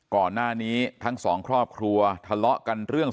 ก่อนหน้านี้ทั้งสองครอบครัวทะเลาะกันเรื่อง